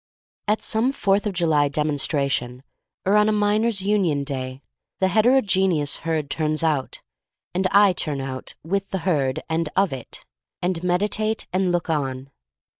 At some Fourth of July demonstra tion, or on a Miners' Union day, the heterogeneous herd turns out — and I turn out, with the herd and of it, and meditate and look on.